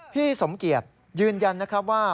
พี่สมเกียจยืนยันว่า